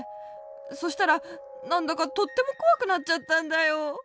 そしたらなんだかとってもこわくなっちゃったんだよ。